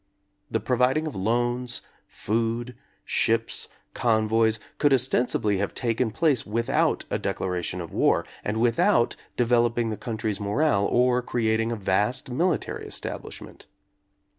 The providing of loans, food, ships, convoys, could os tensibly have taken place without a declaration of war, and without developing the country's morale or creating a vast military establishment.